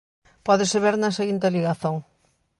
Pódese ver na seguinte ligazón.